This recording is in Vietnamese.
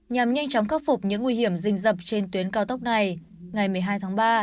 nhằm nhanh chóng khắc phục những nguy hiểm rình dập trên tuyến cao tốc này ngày một mươi hai tháng ba